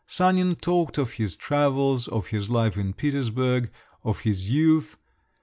Sanin talked of his travels, of his life in Petersburg, of his youth….